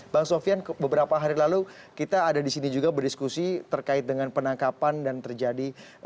bang sofian beberapa hari lalu kita ada di sini juga berdiskusi terkait dengan penangkapan dan terjadi